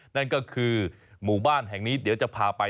นั่นก็คือหมู่บ้านแห่งนี้เดี๋ยวจะพาไป